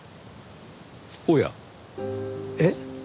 おや。えっ？